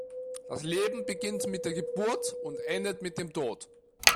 Das Leben beginnt mit der Geburt und endet mit dem Tod.